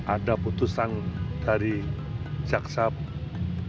ada putusan dari jaksa penuntut